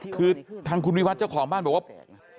คือทางคุณวิวัตรเจ้าของบ้านบอกว่า